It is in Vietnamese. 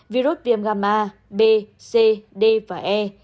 virus viêm gamma b c d và e